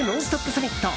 サミット。